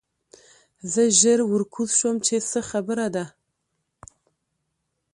زه ژر ورکوز شوم چې څه خبره ده